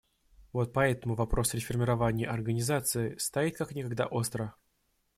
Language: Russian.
Вот поэтому вопрос реформирования Организации стоит как никогда остро.